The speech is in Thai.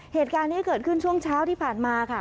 เหตุการณ์นี้เกิดขึ้นช่วงเช้าที่ผ่านมาค่ะ